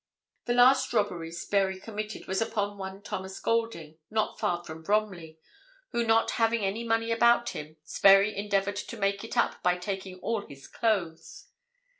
The last robbery Sperry committed was upon one Thomas Golding, not far from Bromley, who not having any money about him, Sperry endeavoured to make it up by taking all his clothes.